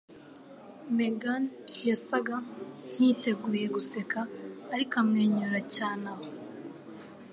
Megan yasaga nkiteguye guseka ariko amwenyura cyane aho.